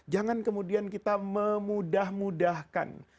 jangan kemudian kita memudah mudahkan